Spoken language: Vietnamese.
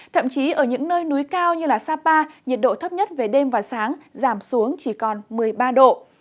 thậm chí ở những nơi núi cao như sapa nhiệt độ thấp nhất về đêm và sáng giảm xuống chỉ còn một mươi ba độ